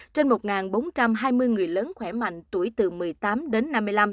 trên một bốn trăm hai mươi người lớn khỏe mạnh tuổi từ một mươi tám đến năm mươi năm